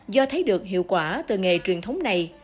do thấy được hiệu quả từ nghề truyền thống này